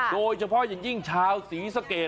โดยเฉพาะอย่างยิ่งชาวศรีสะเกด